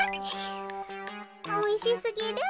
おいしすぎる。